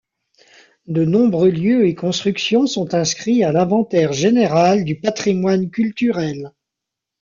De nombreux lieux et constructions sont inscrits à l'inventaire général du patrimoine culturel.